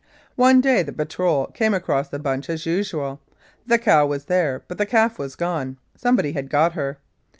One day the patrol came across the bunch as usual the cow was there but the calf was gone. Somebody had got her.